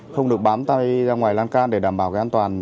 không được bám tay ra ngoài lan can để đảm bảo cái an toàn